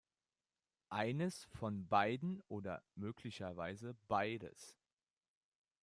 Eines von beiden oder möglicherweise beides.